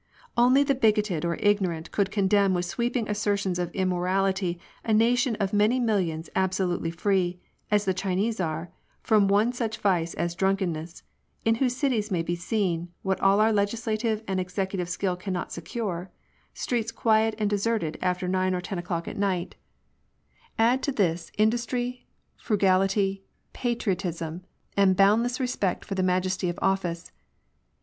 Only the bigoted or ignorant could condemn with sweeping assertions of immorality a nation of many millions absolutely free, as the Chinese are, from one such vice as drunkenness ; in whose cities may be seen — what all our legislative and executive skill cannot secure — streets quiet and deserted after nine or ten o'clock at * Spencer's Sociology : The Bias of Patriotism. +" The miseries and horrors (?) which are now destroying